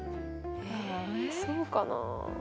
えそうかな。